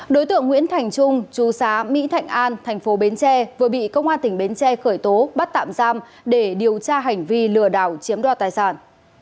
đối tượng nguyễn thành trung chú xá mỹ thạnh an thành phố bến tre vừa bị công an tỉnh bến tre khởi tố bắt tạm giam để điều tra hành vi lừa đảo chiếm đoạt tài sản